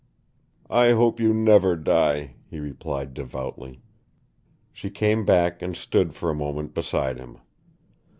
"I hope you never die," he replied devoutly. She came back and stood for a moment beside him.